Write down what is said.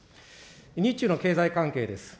日中の経済関係です。